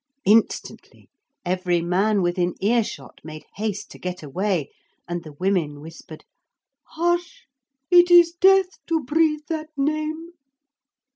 Instantly every man within earshot made haste to get away, and the women whispered, 'Hush! It is death to breathe that name.'